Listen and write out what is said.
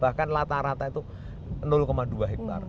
bahkan rata rata itu dua hektare